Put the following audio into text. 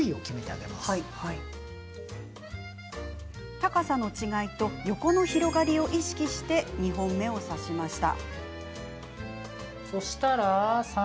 高さの違いと横の広がりを意識して２本目を挿しました。